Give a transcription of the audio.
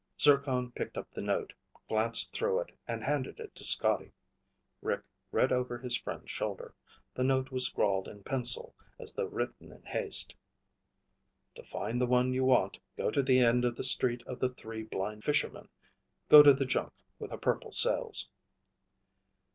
Zircon picked up the note, glanced through it, and handed it to Scotty. Rick read over his friend's shoulder. The note was scrawled in pencil, as though written in haste. "_To find the one you want, go to the end of the Street of the Three Blind Fishermen. Go to the junk with the purple sails.